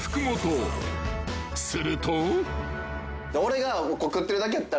［すると］